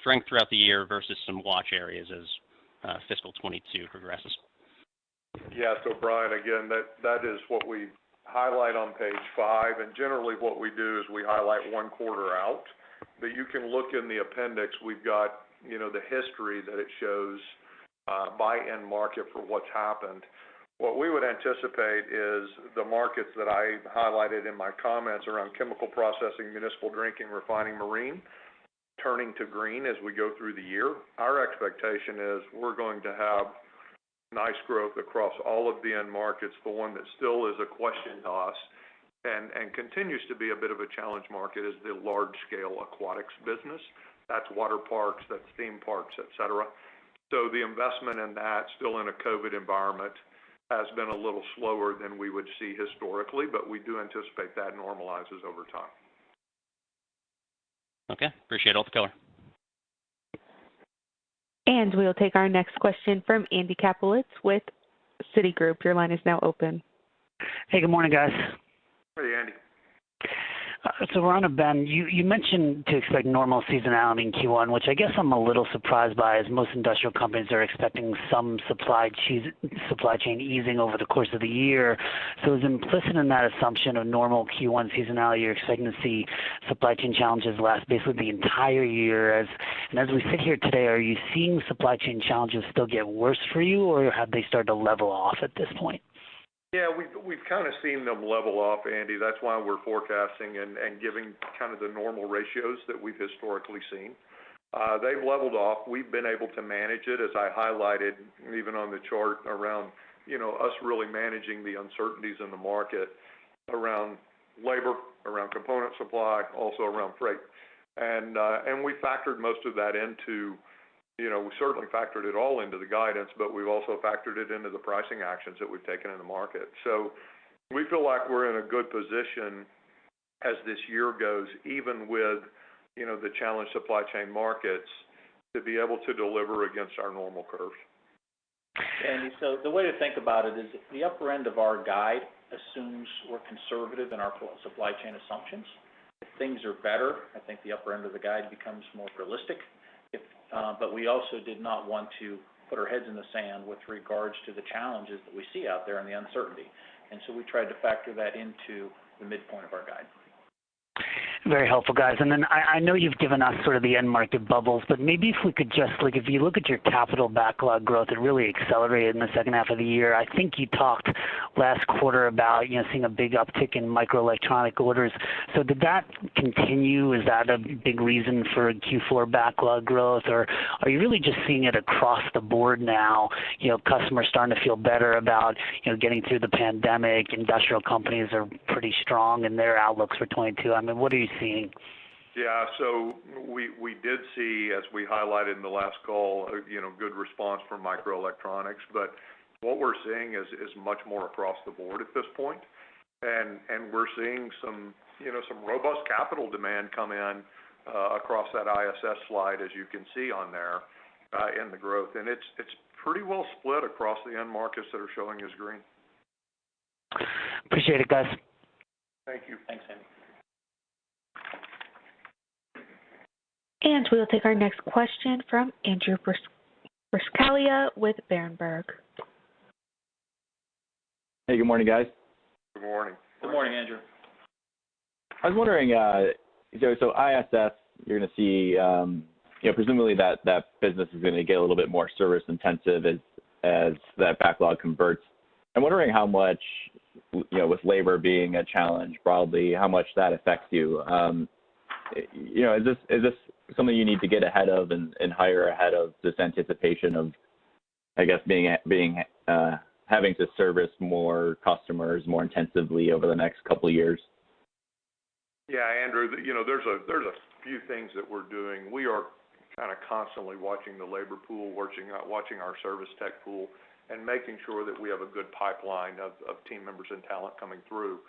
strength throughout the year versus some watch areas as FY 2022 progresses. Yeah. Bryan, again, that is what we highlight on page five. Generally, what we do is we highlight one quarter out. You can look in the appendix, we've got, you know, the history that it shows by end market for what's happened. What we would anticipate is the markets that I highlighted in my comments around chemical processing, municipal drinking, refining marine, turning to green as we go through the year. Our expectation is we're going to have nice growth across all of the end markets. The one that still is a question to us and continues to be a bit of a challenge market is the large scale aquatics business. That's water parks, that's theme parks, et cetera. The investment in that, still in a COVID environment, has been a little slower than we would see historically, but we do anticipate that normalizes over time. Okay. Appreciate all the color. We'll take our next question from Andy Kaplowitz with Citigroup. Your line is now open. Hey, good morning, guys. Morning, Andy. Ron, Ben, you mentioned to expect normal seasonality in Q1, which I guess I'm a little surprised by as most industrial companies are expecting some supply chain easing over the course of the year. Is implicit in that assumption of normal Q1 seasonality, you're expecting to see supply chain challenges last basically the entire year. As we sit here today, are you seeing supply chain challenges still get worse for you, or have they started to level off at this point? Yeah. We've kind of seen them level off, Andy. That's why we're forecasting and giving kind of the normal ratios that we've historically seen. They've leveled off. We've been able to manage it, as I highlighted even on the chart around you know us really managing the uncertainties in the market around labor, around component supply, also around freight. We factored most of that into you know we certainly factored it all into the guidance, but we've also factored it into the pricing actions that we've taken in the market. We feel like we're in a good position as this year goes, even with you know the challenged supply chain markets, to be able to deliver against our normal curves. Andy, the way to think about it is the upper end of our guide assumes we're conservative in our full supply chain assumptions. If things are better, I think the upper end of the guide becomes more realistic. We also did not want to put our heads in the sand with regards to the challenges that we see out there and the uncertainty. We tried to factor that into the midpoint of our guide. Very helpful, guys. Then I know you've given us sort of the end market bubbles, but maybe if we could just, like, if you look at your capital backlog growth, it really accelerated in the second half of the year. I think you talked last quarter about, you know, seeing a big uptick in microelectronic orders. Did that continue? Is that a big reason for Q4 backlog growth? Are you really just seeing it across the board now, you know, customers starting to feel better about, you know, getting through the pandemic, industrial companies are pretty strong in their outlooks for 2022? I mean, what are you seeing? Yeah. We did see, as we highlighted in the last call, you know, good response from microelectronics. What we're seeing is much more across the board at this point. We're seeing some, you know, some robust capital demand come in across that ISS slide, as you can see on there, in the growth. It's pretty well split across the end markets that are showing as green. Appreciate it, guys. Thank you. Thanks, Andy. We'll take our next question from Andrew Buscaglia with Berenberg. Hey, good morning, guys. Good morning. Good morning, Andrew. I was wondering, ISS, you're gonna see, you know, presumably that business is gonna get a little bit more service intensive as that backlog converts. I'm wondering how much, you know, with labor being a challenge broadly, how much that affects you. You know, is this something you need to get ahead of and hire ahead of this anticipation of, I guess having to service more customers more intensively over the next couple of years? Yeah, Andrew, you know, there's a few things that we're doing. We are kinda constantly watching the labor pool, watching our service tech pool and making sure that we have a good pipeline of team members and talent coming through.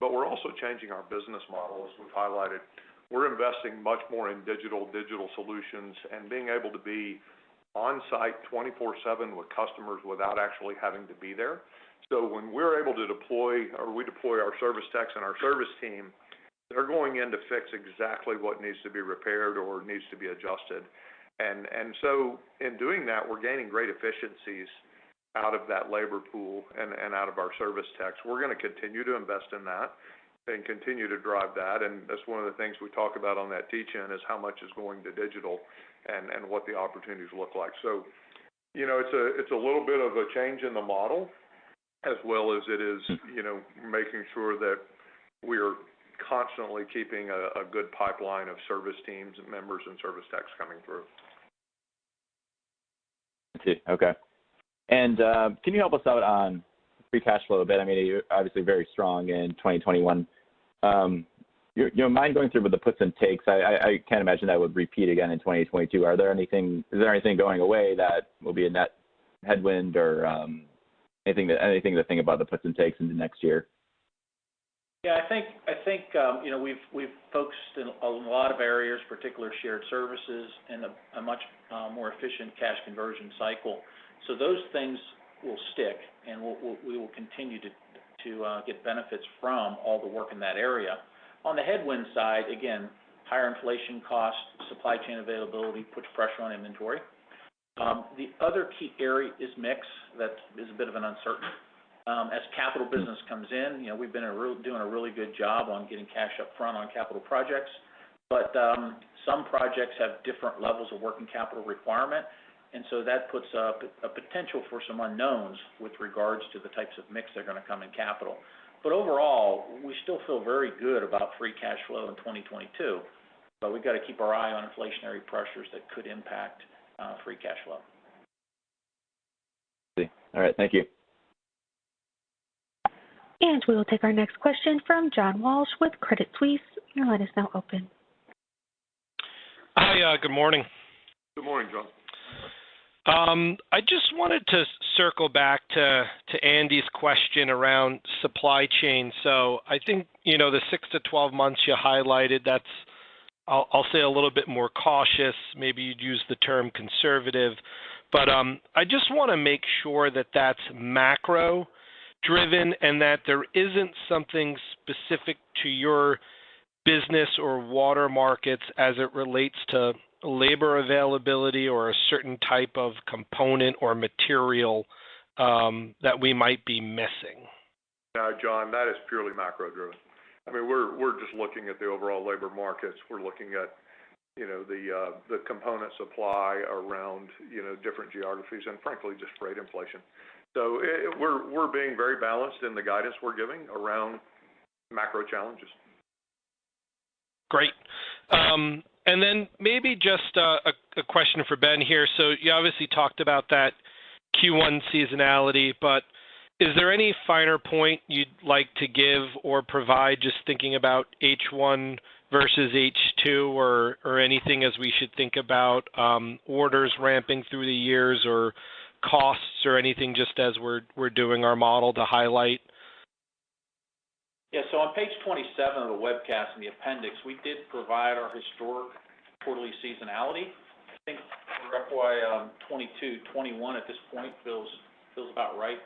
We're also changing our business model, as we've highlighted. We're investing much more in digital solutions and being able to be on-site 24/7 with customers without actually having to be there. When we're able to deploy or we deploy our service techs and our service team, they're going in to fix exactly what needs to be repaired or needs to be adjusted. So in doing that, we're gaining great efficiencies out of that labor pool and out of our service techs. We're gonna continue to invest in that and continue to drive that. That's one of the things we talk about on that teach-in is how much is going to digital and what the opportunities look like. You know, it's a little bit of a change in the model as well as it is, you know, making sure that we're constantly keeping a good pipeline of service teams and members and service techs coming through. I see. Okay. Can you help us out on free cash flow a bit? I mean, you're obviously very strong in 2021. You know, do you mind going through what the puts and takes. I can't imagine that would repeat again in 2022. Is there anything going away that will be a net headwind or anything to think about the puts and takes into next year? Yeah, I think you know, we've focused in a lot of areas, particularly shared services and a much more efficient cash conversion cycle. Those things will stick, and we will continue to get benefits from all the work in that area. On the headwind side, again, higher inflation costs, supply chain availability puts pressure on inventory. The other key area is mix. That is a bit of an uncertainty. As capital business comes in, you know, we've been doing a really good job on getting cash up front on capital projects. Some projects have different levels of working capital requirement, and so that puts up a potential for some unknowns with regards to the types of mix that are gonna come in capital. Overall, we still feel very good about free cash flow in 2022, but we've got to keep our eye on inflationary pressures that could impact free cash flow. I see. All right. Thank you. We will take our next question from John Walsh with Credit Suisse. Your line is now open. Hi. Good morning. Good morning, John. I just wanted to circle back to Andy's question around supply chain. I think, you know, the 6-12 months you highlighted, that's. I'll say a little bit more cautious, maybe you'd use the term conservative. I just wanna make sure that that's macro driven and that there isn't something specific to your business or water markets as it relates to labor availability or a certain type of component or material that we might be missing. No, John, that is purely macro driven. I mean, we're just looking at the overall labor markets. We're looking at, you know, the component supply around, you know, different geographies and frankly, just freight inflation. We're being very balanced in the guidance we're giving around macro challenges. Great. Maybe just a question for Ben here. You obviously talked about that Q1 seasonality, but is there any finer point you'd like to give or provide just thinking about H1 versus H2 or anything as we should think about orders ramping through the years or costs or anything just as we're doing our model to highlight? Yeah. On page 27 of the webcast in the appendix, we did provide our historic quarterly seasonality. I think FY 2022, 2021 at this point feels about right,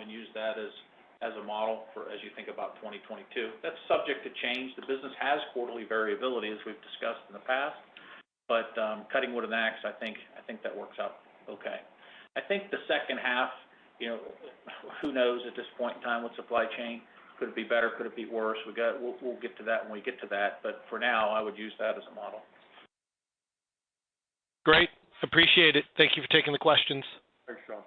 and use that as a model for as you think about 2022. That's subject to change. The business has quarterly variability as we've discussed in the past. Cutting to the chase, I think that works out okay. I think the second half, you know, who knows at this point in time with supply chain? Could it be better? Could it be worse? We'll get to that when we get to that. For now, I would use that as a model. Great. Appreciate it. Thank you for taking the questions. Thanks, John.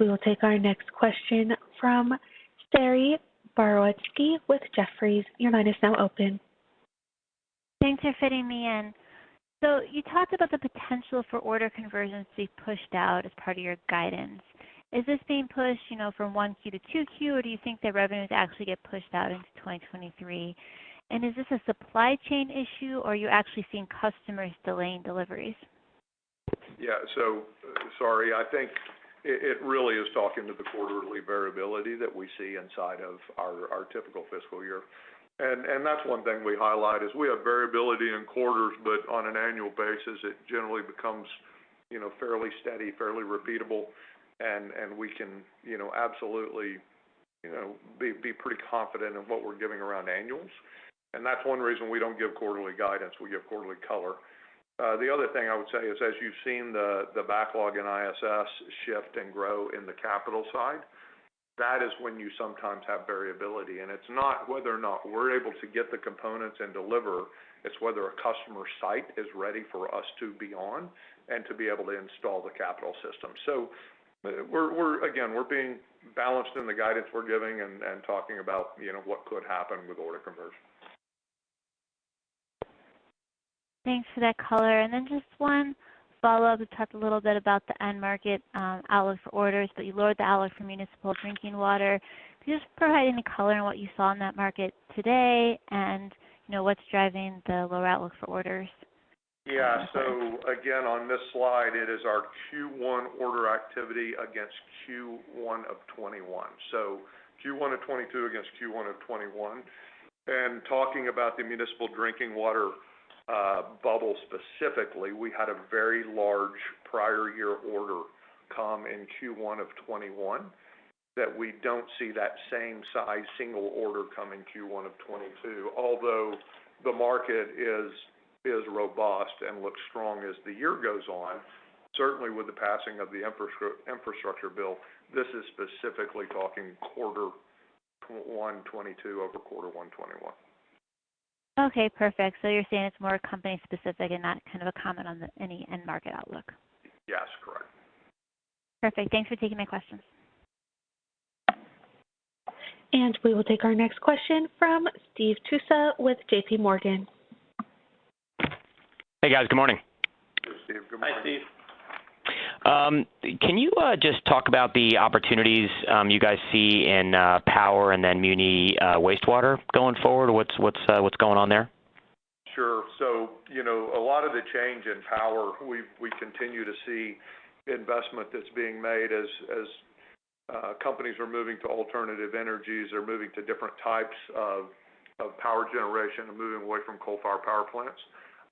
We will take our next question from Saree Boroditsky with Jefferies. Your line is now open. Thanks for fitting me in. You talked about the potential for order conversions to be pushed out as part of your guidance. Is this being pushed, you know, from one Q to two Q, or do you think the revenues actually get pushed out into 2023? Is this a supply chain issue or are you actually seeing customers delaying deliveries? Yeah. Saree, I think it really is talking to the quarterly variability that we see inside of our typical fiscal year. That's one thing we highlight is we have variability in quarters, but on an annual basis it generally becomes, you know, fairly steady, fairly repeatable. We can, you know, absolutely. You know, be pretty confident in what we're giving around annuals. That's one reason we don't give quarterly guidance, we give quarterly color. The other thing I would say is, as you've seen the backlog in ISS shift and grow in the capital side, that is when you sometimes have variability. It's not whether or not we're able to get the components and deliver, it's whether a customer site is ready for us to be on and to be able to install the capital system. Again, we're being balanced in the guidance we're giving and talking about, you know, what could happen with order conversion. Thanks for that color. Just one follow-up. You talked a little bit about the end market, outlook for orders, but you lowered the outlook for municipal drinking water. Can you just provide any color on what you saw in that market today and, you know, what's driving the lower outlook for orders? Yeah. Again, on this slide, it is our Q1 order activity against Q1 of 2021. Q1 of 2022 against Q1 of 2021. Talking about the municipal drinking water bubble specifically, we had a very large prior year order come in Q1 of 2021 that we don't see that same size single order come in Q1 of 2022. Although the market is robust and looks strong as the year goes on, certainly with the passing of the infrastructure bill, this is specifically talking quarter one 2022 over quarter one 2021. Okay. Perfect. You're saying it's more company specific and not kind of a comment on any end market outlook? Yes. Correct. Perfect. Thanks for taking my questions. We will take our next question from Steve Tusa with JPMorgan. Hey, guys. Good morning. Steve, good morning. Hi, Steve. Can you just talk about the opportunities you guys see in power and then muni wastewater going forward? What's going on there? Sure. You know, a lot of the change in power, we continue to see investment that's being made as companies are moving to alternative energies or moving to different types of power generation and moving away from coal-fired power plants.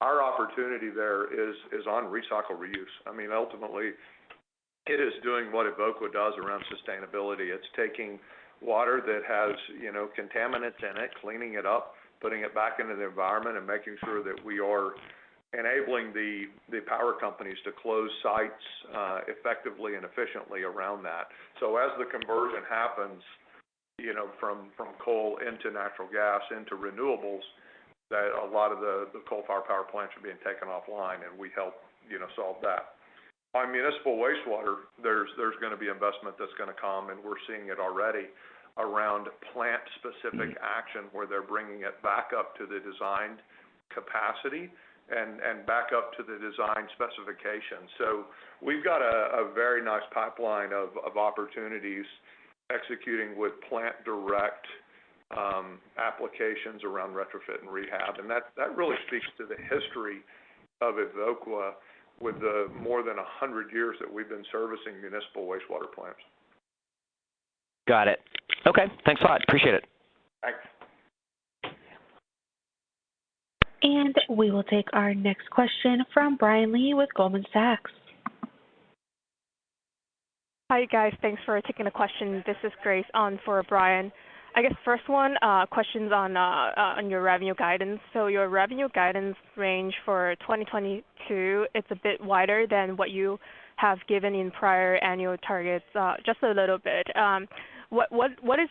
Our opportunity there is on recycle-reuse. I mean, ultimately it is doing what Evoqua does around sustainability. It's taking water that has, you know, contaminants in it, cleaning it up, putting it back into the environment, and making sure that we are enabling the power companies to close sites effectively and efficiently around that. As the conversion happens, you know, from coal into natural gas into renewables, that a lot of the coal-fired power plants are being taken offline and we help solve that. On municipal wastewater, there's gonna be investment that's gonna come, and we're seeing it already, around plant specific action where they're bringing it back up to the designed capacity and back up to the design specification. We've got a very nice pipeline of opportunities executing with plant direct applications around retrofit and rehab. That really speaks to the history of Evoqua with the more than 100 years that we've been servicing municipal wastewater plants. Got it. Okay. Thanks a lot. Appreciate it. Thanks. We will take our next question from Brian Lee with Goldman Sachs. Hi, guys. Thanks for taking the question. This is Grace on for Brian. I guess first one, question's on your revenue guidance. Your revenue guidance range for 2022, it's a bit wider than what you have given in prior annual targets, just a little bit. What is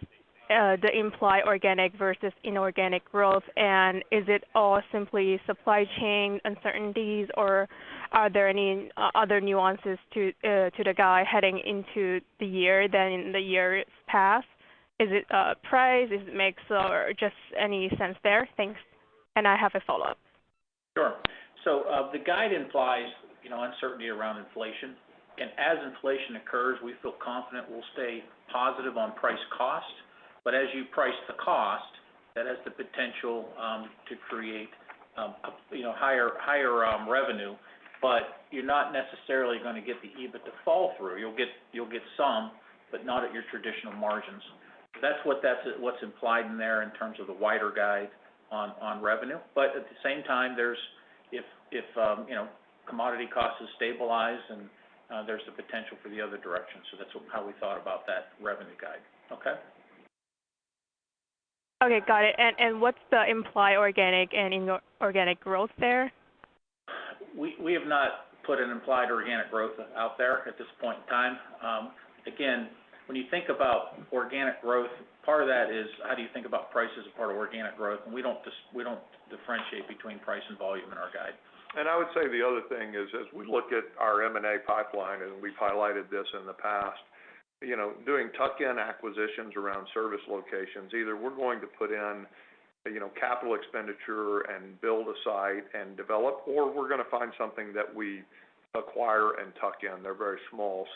the implied organic versus inorganic growth? Is it all simply supply chain uncertainties or are there any other nuances to the guide heading into the year than in the years past? Is it price? Is it mix or just any sense there? Thanks, and I have a follow-up. Sure. The guide implies, you know, uncertainty around inflation. As inflation occurs, we feel confident we'll stay positive on price cost. As you price the cost, that has the potential to create, you know, higher revenue, but you're not necessarily gonna get the EBITDA fall through. You'll get some, but not at your traditional margins. That's what's implied in there in terms of the wider guide on revenue. At the same time, if you know, commodity costs are stabilized and there's the potential for the other direction. That's how we thought about that revenue guide. Okay? Okay. Got it. What's the implied organic and inorganic growth there? We have not put an implied organic growth out there at this point in time. Again, when you think about organic growth, part of that is how do you think about price as a part of organic growth? We don't differentiate between price and volume in our guide. I would say the other thing is, as we look at our M&A pipeline, and we've highlighted this in the past, you know, doing tuck-in acquisitions around service locations, either we're going to put in, you know, capital expenditure and build a site and develop, or we're gonna find something that we acquire and tuck in. They're very small.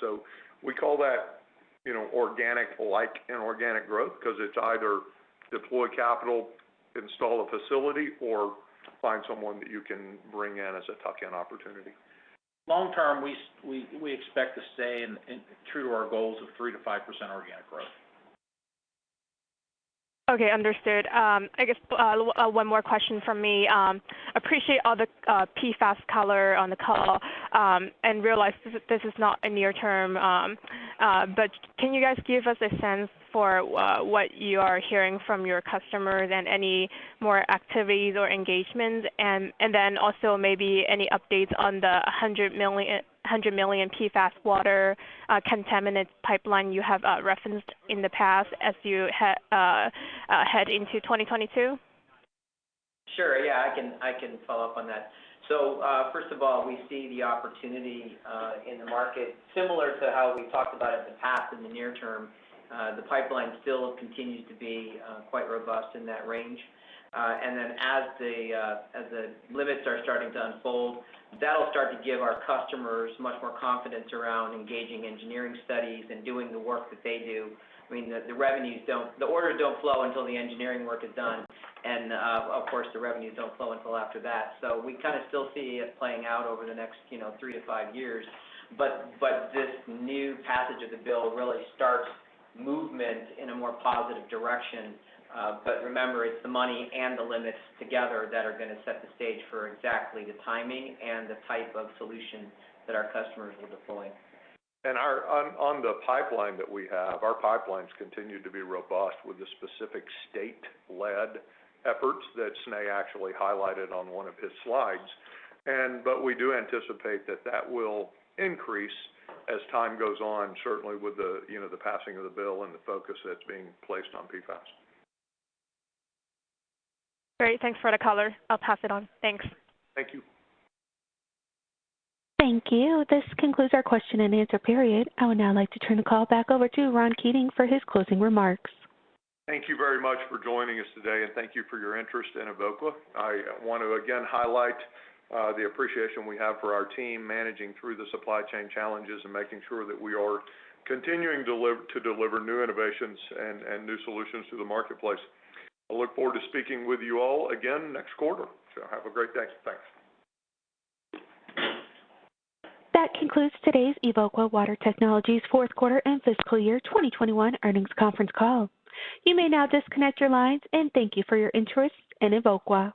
We call that, you know, organic-like inorganic growth because it's either deploy capital, install a facility, or find someone that you can bring in as a tuck-in opportunity. Long-term, we expect to stay true to our goals of 3%-5% organic growth. Okay, understood. I guess one more question from me. Appreciate all the PFAS color on the call, and realize this is not a near term. But can you guys give us a sense for what you are hearing from your customers and any more activities or engagements? Then also maybe any updates on the $100 million PFAS water contaminant pipeline you have referenced in the past as you head into 2022. Sure. Yeah, I can follow up on that. First of all, we see the opportunity in the market similar to how we've talked about it in the past in the near term. The pipeline still continues to be quite robust in that range. As the limits are starting to unfold, that'll start to give our customers much more confidence around engaging engineering studies and doing the work that they do. I mean, the orders don't flow until the engineering work is done. Of course, the revenues don't flow until after that. We kinda still see it playing out over the next, you know, 3-5 years. This new passage of the bill really starts movement in a more positive direction. Remember, it's the money and the limits together that are gonna set the stage for exactly the timing and the type of solution that our customers will deploy. On the pipeline that we have, our pipelines continue to be robust with the specific state-led efforts that Snehal actually highlighted on one of his slides. We do anticipate that will increase as time goes on, certainly with the, you know, the passing of the bill and the focus that's being placed on PFAS. Great. Thanks for the color. I'll pass it on. Thanks. Thank you. Thank you. This concludes our question-and-answer period. I would now like to turn the call back over to Ron Keating for his closing remarks. Thank you very much for joining us today, and thank you for your interest in Evoqua. I want to again highlight the appreciation we have for our team managing through the supply chain challenges and making sure that we are continuing to deliver new innovations and new solutions to the marketplace. I look forward to speaking with you all again next quarter. Sure. Have a great day. Thanks. That concludes today's Evoqua Water Technologies fourth quarter and fiscal year 2021 earnings conference call. You may now disconnect your lines, and thank you for your interest in Evoqua.